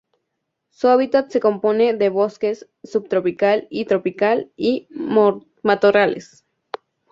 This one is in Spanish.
Su hábitat se compone de bosque subtropical y tropical, y matorrales.